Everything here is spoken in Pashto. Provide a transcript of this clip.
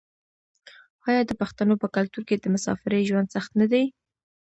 آیا د پښتنو په کلتور کې د مسافرۍ ژوند سخت نه دی؟